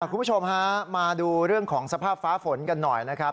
คุณผู้ชมฮะมาดูเรื่องของสภาพฟ้าฝนกันหน่อยนะครับ